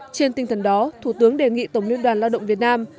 trên tinh thần đó thủ tướng đề nghị tổng liên đoàn lao động việt nam